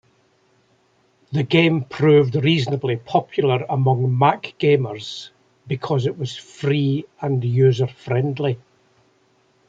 The game proved reasonably popular among Mac gamers because it was free and user-friendly.